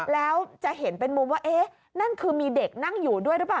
แล้วจะเห็นเป็นมุมว่าเอ๊ะนั่นคือมีเด็กนั่งอยู่ด้วยหรือเปล่า